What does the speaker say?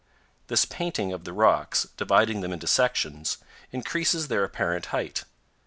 This painting of the rocks, dividing them into sections, increases their apparent height.